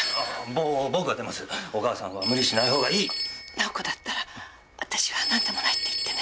奈緒子だったら私はなんでもないって言ってね。